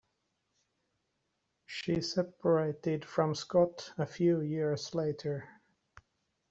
She separated from Scot a few years later.